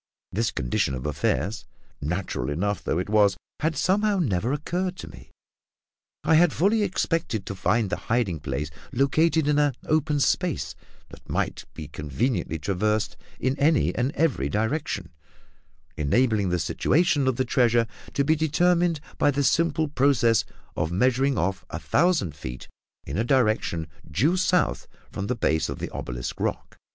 This condition of affairs, natural enough though it was, had somehow never occurred to me; I had fully expected to find the hiding place located in an open space that might be conveniently traversed in any and every direction, enabling the situation of the treasure to be determined by the simple process of measuring off a thousand feet in a direction due south from the base of the obelisk rock.